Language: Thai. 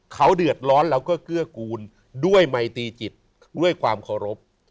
เขาเดือดร้อนแล้วก็เกื้อกูลด้วยไมตีจิตด้วยความเคารพ